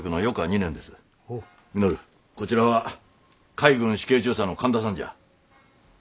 こちらは海軍主計中佐の神田さんじゃ。